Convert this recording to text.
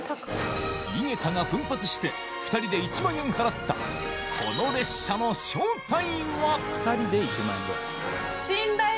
井桁が奮発して２人で１万円払ったこの列車の正体は？